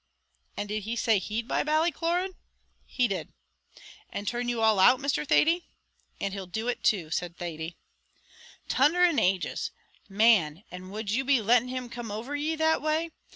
"And did he say he'd buy Ballycloran?" "He did." "And turn you all out, Mr. Thady?" "And he 'll do it too," said Thady. "Tunder and ages! man, and would you be letting him come over ye that way?